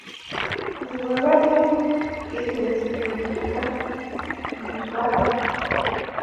Ububabare bwigeze guhiga umutware